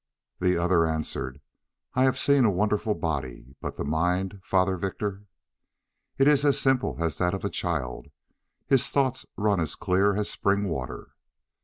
The other answered: "I have seen a wonderful body but the mind, Father Victor?" "It is as simple as that of a child his thoughts run as clear as spring water."